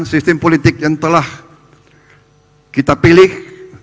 sistem politik yang telah kita pilih